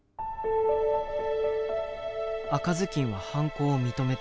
赤ずきんは犯行を認めている。